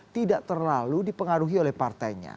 tidak terlalu dipengaruhi oleh partainya